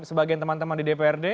sebagian teman teman di dprd